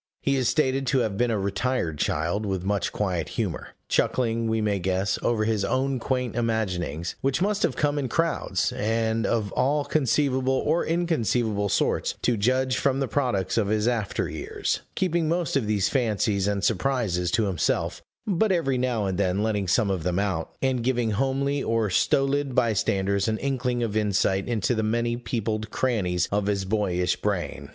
He is stated to have been a retired child, with much quiet humor; chuckling, we may guess, over his own quaint imaginings, which must have come in crowds, and of all conceivable or inconceivable sorts, to judge from the products of his after years; keeping most of these fancies and surprises to himself, but every now and then letting some of them out, and giving homely or stolid bystanders an inkling of insight into the many peopled crannies of his boyish brain.